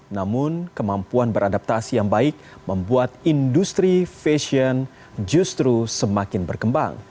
namun kemampuan beradaptasi yang baik membuat industri fashion justru semakin berkembang